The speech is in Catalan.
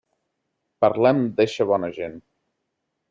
Parlem d'eixa bona gent.